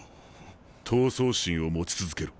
闘争心を持ち続けろ。